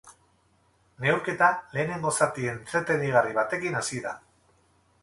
Neurketa lehenengo zati entretenigarri batekin hasi da.